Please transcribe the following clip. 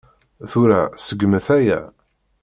Tura, seggmet aya.